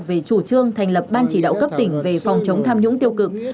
về chủ trương thành lập ban chỉ đạo cấp tỉnh về phòng chống tham nhũng tiêu cực